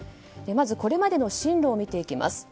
まず、これまでの進路を見ていきます。